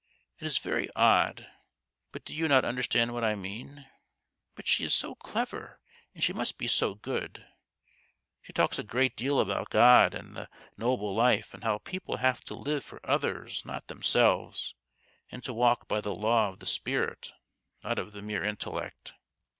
It is very odd, but do you not understand what I mean ? But she is so clever, and she must be so good ! She talks a great deal about God and the Noble Life, and how people have to live for others not themselves, and to walk by the law of the spirit not of the mere intellect.